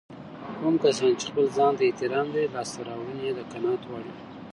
کوم کسان چې خپل ځانته احترام لري لاسته راوړنې يې د قناعت وړ وي.